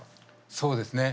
そうですね。